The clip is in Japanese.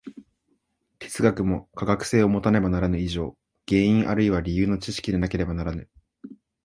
哲学も科学性をもたねばならぬ以上、原因あるいは理由の知識でなければならぬ。